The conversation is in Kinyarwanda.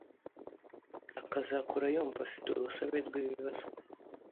akazakura yumva afite urusobe rw’ibibazo.